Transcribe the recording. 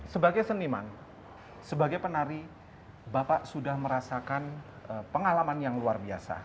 sebagai seniman sebagai penari bapak sudah merasakan pengalaman yang luar biasa